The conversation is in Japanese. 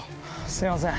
すいません。